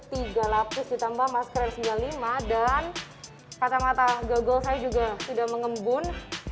tiga lapis ditambah masker yang sembilan puluh lima dan kacamata gagal saya juga tidak mengembun